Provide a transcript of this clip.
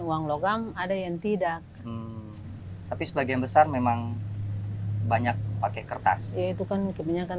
uang logam ada yang tidak tapi sebagian besar memang banyak pakai kertas ya itu kan kebanyakan